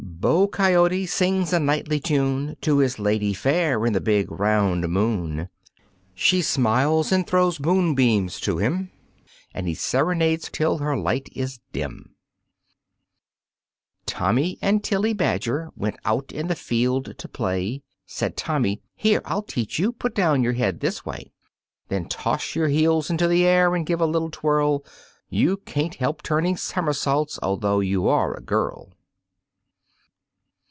Beau coyote sings a nightly tune To his lady fair in the big, round moon. She smiles and throws moonbeams to him And he serenades till her light is dim. Tommie and Tillie Badger went out in the field to play. Said Tommie: "Here, I'll teach you put down your head this way, Then toss your heels into the air and give a little twirl You can't help turning somersaults although you are a girl."